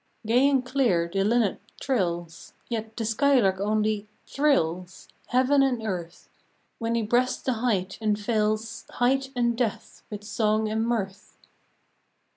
" Gay and clear the linnet trills; Yet the skylark only, thrills Heaven and earth When he breasts the height, and fills Height and depth with song and mirth.